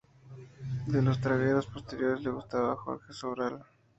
De los tangueros posteriores le gustaba Jorge Sobral.